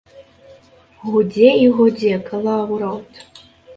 Гудзе і гудзе калаўрот.